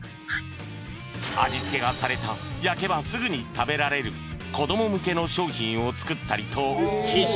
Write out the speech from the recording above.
味付けがされた焼けばすぐに食べられる子ども向けの商品を作ったりと必死